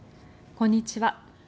こんにちは。